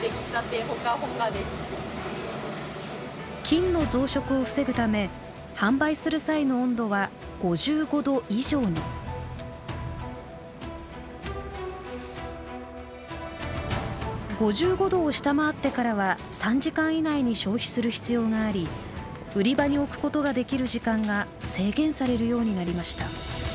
菌の増殖を防ぐため販売する際の温度は５５℃を下回ってからは３時間以内に消費する必要があり売り場に置くことができる時間が制限されるようになりました。